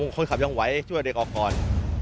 คนขับยังไหวช่วยเด็กออกก่อน